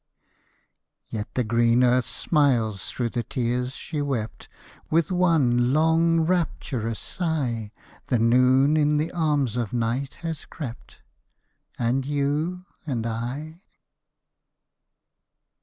Yet the green earth smiles through the tears she wept; With one long, rapturous sigh The Noon in the arms of Night has crept, And you and I?